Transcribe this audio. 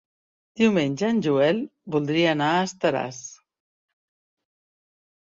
Diumenge en Joel voldria anar a Estaràs.